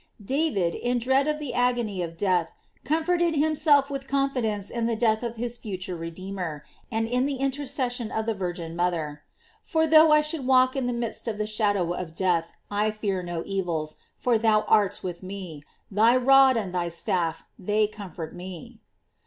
David, in dread of the ag ony of death, comforted himself with confidence in the death of his future Redeemer, and in the intercession of the Virgin mother: "For though I should walk in the midst of the shadow of 104 GLORIES OF MART. death, I fear no evils, for thou art with me; thy rod and thy staff they have comforted me."